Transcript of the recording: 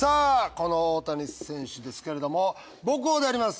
この大谷選手ですけれども母校であります